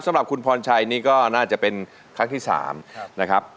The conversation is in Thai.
สำหรับคุณพรชัยนี่ก็น่าจะเป็นครั้งที่๓นะครับ